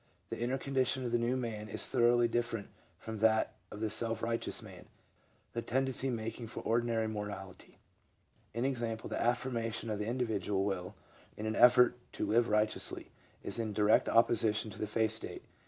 The inner condition of the " New Man " is thoroughly dif ferent from that of the self righteous man : the tendency mak ing for ordinary morality, i. e., the affirmation of the indi vidual will in an effort to live righteously, is in direct oppo sition to the faith state.